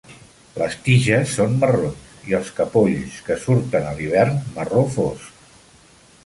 Les tiges són marrons i els capolls, que surten a l'hivern, marró fosc.